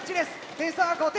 点差は５点。